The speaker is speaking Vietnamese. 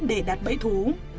để đặt bẫy thú